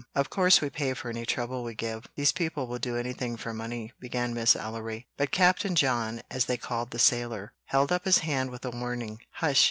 "Of course we pay for any trouble we give; these people will do anything for money," began Miss Ellery; but Captain John, as they called the sailor, held up his hand with a warning, "Hush!